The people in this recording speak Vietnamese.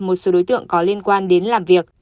một số đối tượng có liên quan đến làm việc